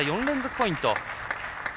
４連続ポイント。